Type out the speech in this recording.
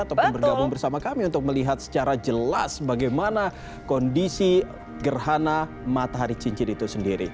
ataupun bergabung bersama kami untuk melihat secara jelas bagaimana kondisi gerhana matahari cincin itu sendiri